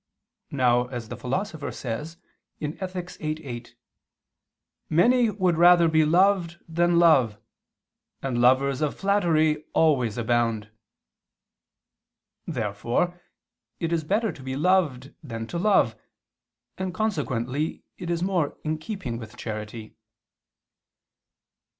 Now, as the Philosopher says (Ethic. viii, 8), "many would rather be loved than love, and lovers of flattery always abound." Therefore it is better to be loved than to love, and consequently it is more in keeping with charity.